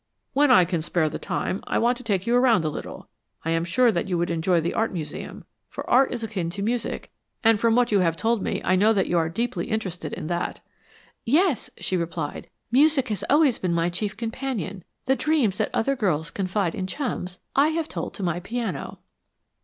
"When I can spare the time, I want to take you around a little. I am sure that you would enjoy the art museum, for art is akin to music and from what you have told me I know that you are deeply interested in that." "Yes," she replied, "music has always been my chief companion. The dreams that other girls confide in chums, I have told to my piano."